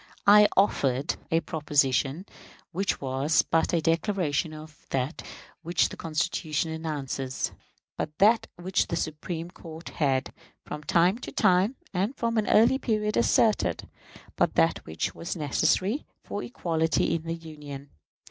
I offered a proposition, which was but the declaration of that which the Constitution announces; but that which the Supreme Court had, from time to time, and from an early period asserted; but that which was necessary for equality in the Union.